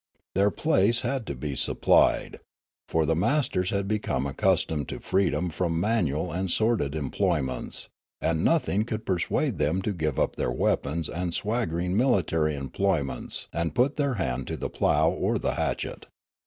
Their place had to be supplied ; for the masters had become accustomed to freedom from manual and sordid employments, and nothing could persuade them to give up their weapons and swagger ing military employments and put their hand to the plough or the hatchet.